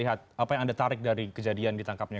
apa yang menarik dari kejadian ditangkapnya